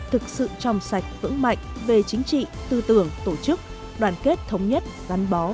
thực sự trọng sạch vững mạnh về chính trị tư tưởng tổ chức đoàn kết thống nhất gắn bó với nhân dân